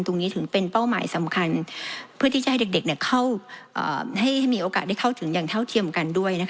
ถึงเป็นเป้าหมายสำคัญเพื่อที่จะให้เด็กให้มีโอกาสได้เข้าถึงอย่างเท่าเทียมกันด้วย